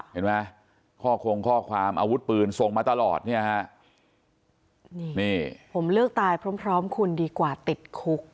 เห็นไหมข้อคงข้อความอาวุธปืนส่งมาตลอดเนี่ยฮะนี่นี่ผมเลือกตายพร้อมคุณดีกว่าติดคุก